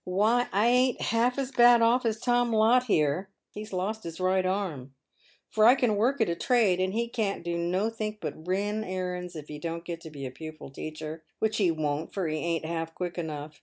" Why, I ain't half as bad off as Tom Lott here — he's lost' his right arm — for I can work at a trade, and he can't do nothink but run errands if he don't get to be a pupil teacher, which he won't, for he ain't half quick enough.